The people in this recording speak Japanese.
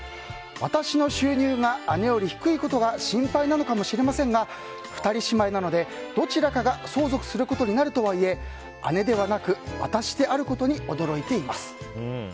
私の収入が姉より低いことが心配なのかもしれませんが２人姉妹なのでどちらかが相続することになるとはいえ姉ではなく私であることに驚いています。